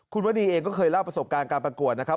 คุณวดีเองก็เคยเล่าประสบการณ์การประกวดนะครับ